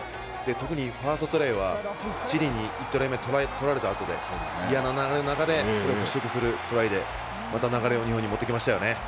特にファーストトライは、チリに１トライ目取られたあとで嫌な流れの中で、それを払拭するトライで、また流れを日本に持ってきましたよね。